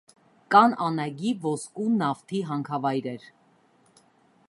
Կան անագի, ոսկու, նավթի հանքավայրեր։